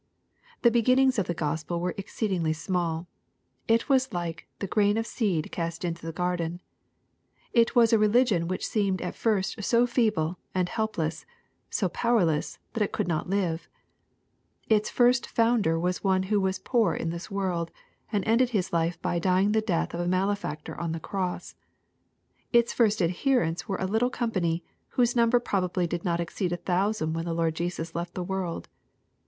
The beginnings of the Gospel were exceedingly small. It was like " the grain of seed cast into the garden." It was a religion which seemed at first so feeble, and help less, and powerless, that it could not live. Its first founder was One who was poor in this world, and ended His life by dying the death of a malefactor on the cross. — Its first adherents were a little company, whose number pro bably did not exceed a thousand when the Lord Jesus left the world.